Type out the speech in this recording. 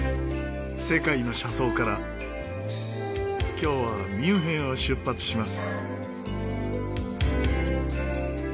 今日はミュンヘンを出発します。